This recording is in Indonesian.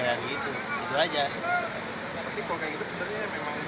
tapi kalau kayak gitu sebenarnya memang program sudah sejak lama ya bukan